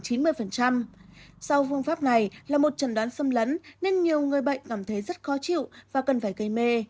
sau phương pháp này là một trần đoán xâm lấn nên nhiều người bệnh cảm thấy rất khó chịu và cần phải gây mê